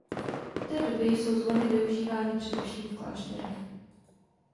V té době jsou zvony užívány především v klášterech.